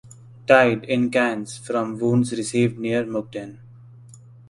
Died in Cannes from wounds received near Mukden.